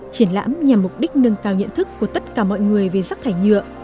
triển lãm nhằm mục đích nâng cao nhận thức của tất cả mọi người về rác thải nhựa